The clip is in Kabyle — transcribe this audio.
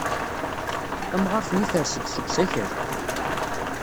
Tamɣart-nni ters-d seg usakal.